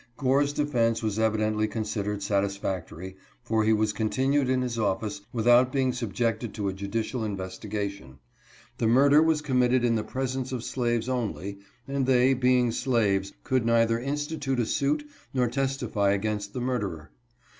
Gore's defense was evidently considered satisfactory, for he was continued in his office without being subjected to a judicial investi gation. The murder was committed in the presence of 4 78 OTHER MURDERS. slaves only, and they, being slaves, could neither institute a suit nor testify against the murderer.